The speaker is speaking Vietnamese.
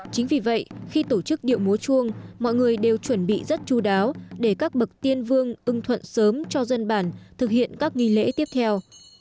chính vì vậy khi tổ chức điệu múa chuông mọi người đều chuẩn bị rất chú đáo để các bậc tiên vương thuận sớm cho dân bản thực hiện các nghi lễ tiếp theo